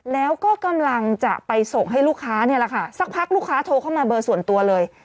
แล้วก็กำลังจะไปส่งให้ลูกค้าเนี่ยแหละค่ะสักพักลูกค้าโทรเข้ามาเบอร์ส่วนตัวเลย